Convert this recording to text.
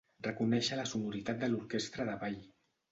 Reconèixer la sonoritat de l'orquestra de ball.